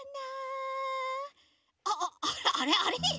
ああっあれあれ？